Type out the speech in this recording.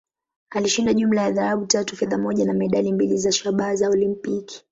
Alishinda jumla ya dhahabu tatu, fedha moja, na medali mbili za shaba za Olimpiki.